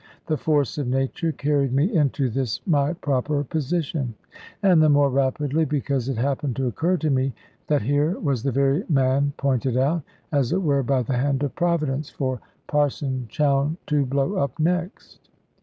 The force of nature carried me into this my proper position; and the more rapidly, because it happened to occur to me that here was the very man pointed out, as it were by the hand of Providence, for Parson Chowne to blow up next.